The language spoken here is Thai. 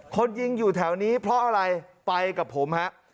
คนยิงอยู่แถวนี้เพราะอะไรไปกับผมฮะ